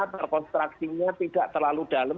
perkonstruksinya tidak terlalu dalam